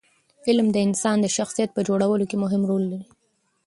علم د انسان د شخصیت په جوړولو کې مهم رول لري.